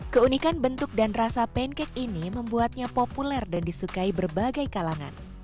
keunikan bentuk dan rasa pancake ini membuatnya populer dan disukai berbagai kalangan